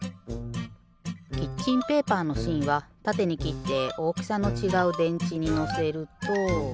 キッチンペーパーのしんはたてにきっておおきさのちがうでんちにのせると。